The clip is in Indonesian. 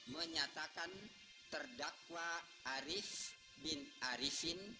menyatakan terdakwa arief bin arifin